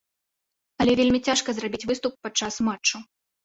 Але вельмі цяжка зрабіць выступ падчас матчу.